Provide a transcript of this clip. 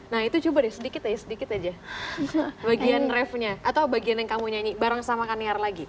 nah itu coba deh sedikit aja sedikit aja bagian refnya atau bagian yang kamu nyanyi bareng sama kaniar lagi